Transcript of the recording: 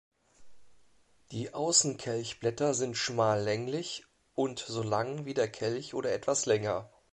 Die Außenkelchblätter sind schmal länglich und so lang wie der Kelch oder etwas länger.